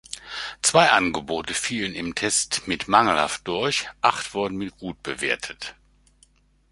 Zwei Angebote fielen im Test mit mangelhaft durch, acht wurden mit gut bewertet.